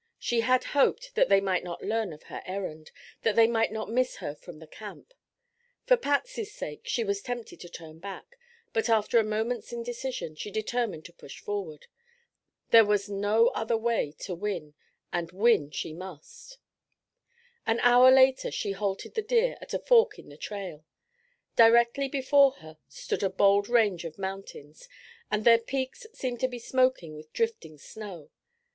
She had hoped that they might not learn of her errand, that they might not miss her from the camp. For Patsy's sake she was tempted to turn back, but after a moment's indecision, she determined to push forward. There was no other way to win, and win she must! An hour later she halted the deer at a fork in the trail. Directly before her stood a bold range of mountains, and their peaks seemed to be smoking with drifting snow.